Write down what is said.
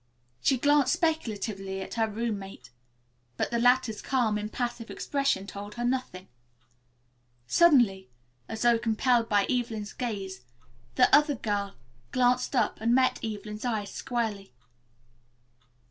She glanced speculatively at her roommate, but the latter's calm, impassive expression told her nothing. Suddenly, as though impelled by Evelyn's gaze, the other girl glanced up and met Evelyn's eyes squarely.